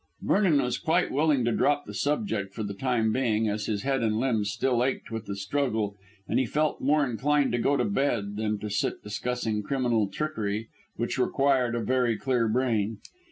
Vernon was quite willing to drop the subject for the time being, as his head and limbs still ached with the struggle, and he felt more inclined to go to bed than to sit discussing criminal trickery, which required a very clear brain.